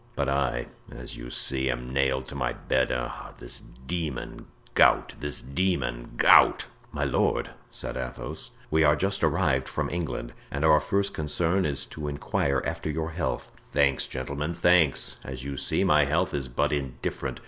But I, as you see, am nailed to my bed—ah! this demon, gout—this demon, gout!" "My lord," said Athos, "we are just arrived from England and our first concern is to inquire after your health." "Thanks, gentlemen, thanks! As you see, my health is but indifferent.